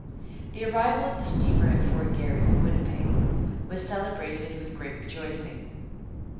The arrival of the steamer at Fort Garry (Winnipeg) was celebrated with great rejoicing.